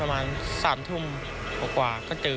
ประมาณ๓ทุ่มกว่าก็เจอ